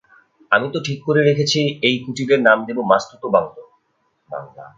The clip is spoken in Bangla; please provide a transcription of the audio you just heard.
আমি তো ঠিক করে রেখেছি, এই কুটিরের নাম দেব মাসতুতো বাংলা।